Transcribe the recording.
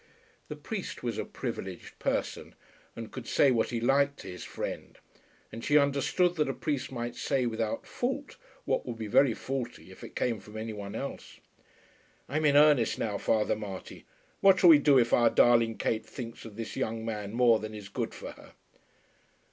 The priest was a privileged person, and could say what he liked to his friend; and she understood that a priest might say without fault what would be very faulty if it came from any one else. "I'm in earnest now, Father Marty. What shall we do if our darling Kate thinks of this young man more than is good for her?"